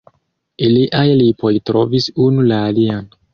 Iliaj lipoj trovis unu la alian.